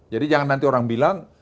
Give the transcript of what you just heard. jadi jangan nanti orang bilang